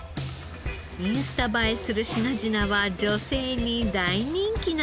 インスタ映えする品々は女性に大人気なのだとか。